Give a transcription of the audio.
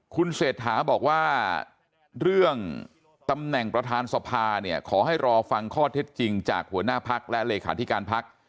คุณเศรษฐาบอกว่าเรื่องตำแหน่งประธานสภาเนี่ยขอให้รอฟังข้อเท็จจริงจากหัวหน้าพักและเลขาธิการพัก